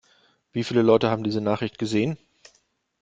Wie viele Leute haben diese Nachricht gesehen?